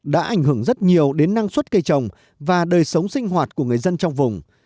đã ảnh hưởng rất nhiều đến năng suất cây trồng và đời sống sinh hoạt của người dân trong vùng